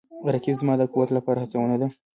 رقیب زما د قوت لپاره هڅونه ده